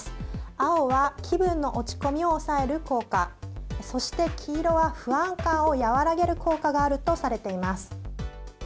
青は気分の落ち込みを抑える効果そして黄色は不安感を和らげる効果があるとされています。